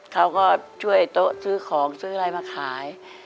เขาก็ช่วยโต๊ะซื้อของซื้ออะไรมาขาย